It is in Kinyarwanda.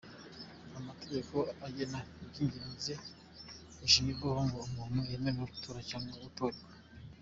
Amategeko agena iby’ingenzi bishingirwaho ngo umuntu yemererwe gutora cyangwa gutorwa.